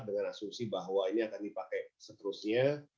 dengan asumsi bahwa ini akan dipakai seterusnya